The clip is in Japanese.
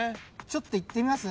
ちょっといってみます？